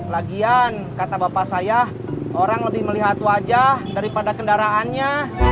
lagian kata bapak saya orang lebih melihat wajah daripada kendaraannya